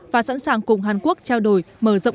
và sẵn sàng cùng hàn quốc trao đổi mở rộng